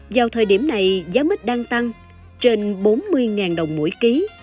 vào thời điểm này giá mít đang tăng trên bốn mươi đồng mỗi ký